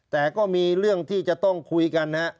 แต่ก็มีเรื่องที่จะต้องคุยกันนะฮะ